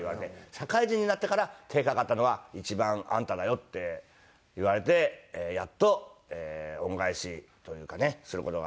「社会人になってから手がかかったのは一番あんただよ」って言われてやっと恩返しというかねする事ができるようになりました。